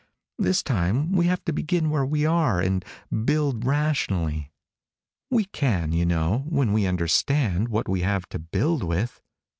This time we have to begin where we are and build rationally. We can, you know, when we understand what we have to build with."